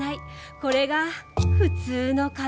これが、普通の家庭。